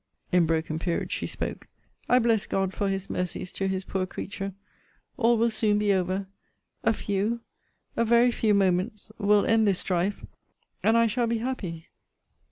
[in broken periods she spoke] I bless God for his mercies to his poor creature all will soon be over a few a very few moments will end this strife and I shall be happy!